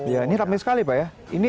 ya ini ramai sekali pak ya